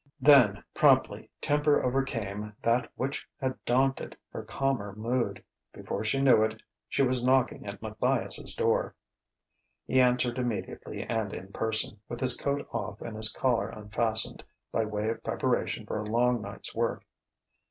Then promptly temper overcame that which had daunted her calmer mood. Before she knew it she was knocking at Matthias's door. He answered immediately and in person, with his coat off and his collar unfastened by way of preparation for a long night's work.